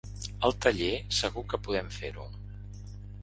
Al taller segur que podem fer-ho.